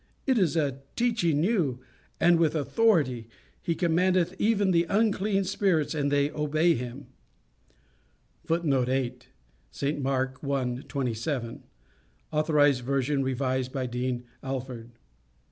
It is a teaching new, and with authority: he commandeth even the unclean spirits, and they obey him;" [Footnote 8: St Mark, i. 27. Authorized Version revised by Dean Alford.